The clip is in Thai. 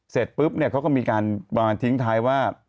เสร็จปุ๊บเนี่ยเขาก็มีการประมาณทิ้งท้ายว่า